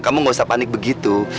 kamu gak usah panik begitu